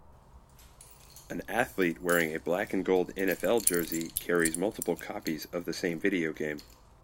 An athlete wearing a black and gold NFL jersey carries multiple copies of the same video game.